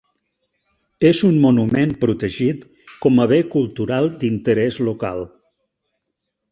És un monument protegit com a bé cultural d'interès local.